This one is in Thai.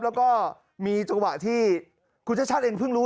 แล้วก็มีจังหวะที่คุณชาติชาติเองเพิ่งรู้